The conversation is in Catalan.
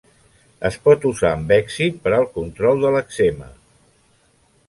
Es pot usar amb èxit per al control de l'èczema.